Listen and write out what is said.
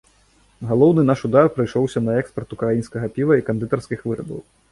Галоўны наш удар прыйшоўся на экспарт украінскага піва і кандытарскіх вырабаў.